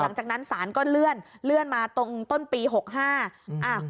หลังจากนั้นศาลก็เลื่อนเลื่อนมาตรงต้นปีหกห้าอืม